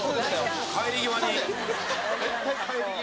「帰り際に」